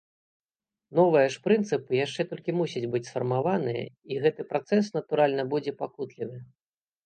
Новыя ж прынцыпы яшчэ толькі мусяць быць сфармаваныя, і гэты працэс, натуральна, будзе пакутлівы.